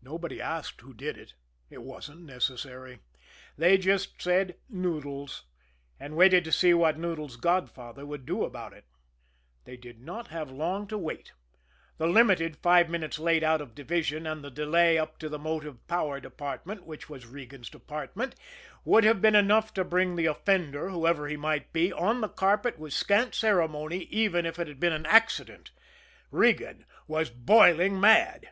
Nobody asked who did it it wasn't necessary. They just said "Noodles," and waited to see what Noodles' godfather would do about it. They did not have long to wait. The Limited five minutes late out of division and the delay up to the motive power department, which was Regan's department, would have been enough to bring the offender, whoever he might be, on the carpet with scant ceremony even if it had been an accident. Regan was boiling mad.